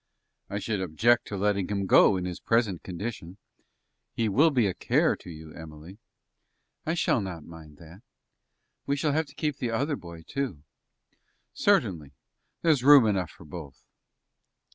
"I should object to letting him go in his present condition. He will be a care to you, Emily." "I shall not mind that. We shall have to keep the other boy, too." "Certainly. There's room enough for both."